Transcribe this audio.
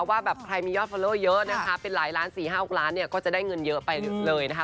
ว่าแบบใครมียอดฟอลเลอร์เยอะนะคะเป็นหลายล้าน๔๕๖ล้านเนี่ยก็จะได้เงินเยอะไปเลยนะคะ